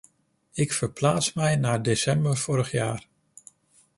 Ik verplaats mij naar december vorig jaar.